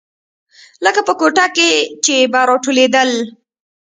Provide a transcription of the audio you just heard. لکه په کوټه کښې چې به راټولېدل.